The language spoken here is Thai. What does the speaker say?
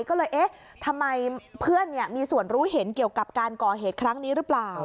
ก็เลยเอ๊ะทำไมเพื่อนมีส่วนรู้เห็นเกี่ยวกับการก่อเหตุครั้งนี้หรือเปล่า